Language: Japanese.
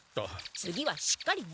次はしっかりね！